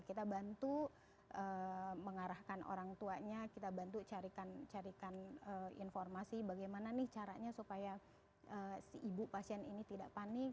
kita bantu mengarahkan orang tuanya kita bantu carikan informasi bagaimana nih caranya supaya si ibu pasien ini tidak panik